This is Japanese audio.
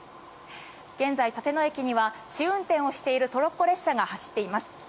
現在、立野駅には試運転をしているトロッコ列車が走っています。